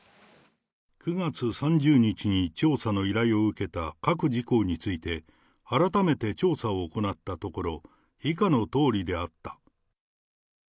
９月３０日に調査の依頼を受けた各事項について、改めて調査を行ったところ、以下のとおりであった。